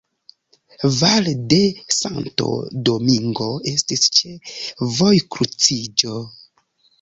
Val de Santo Domingo estis ĉe vojkruciĝo.